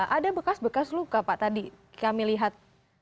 ada bekas bekas luka pak tadi kami lihat